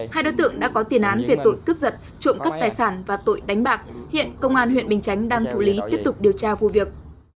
hai đối tượng đã có tiền án về tội cướp giật trộm cắp tài sản và tội đánh bạc hiện công an huyện bình chánh đang thủ lý tiếp tục điều tra vụ việc